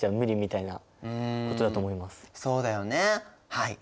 そうだよねはい。